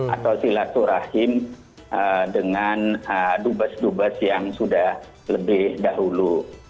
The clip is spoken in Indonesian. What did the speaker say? atau silaturahim dengan dubes dubes yang sudah lebih dahulu